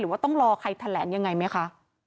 ว่าต้องรอใครแถลงยังไงไหมคะ